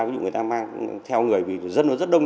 ví dụ người ta mang theo người vì dân nó rất đông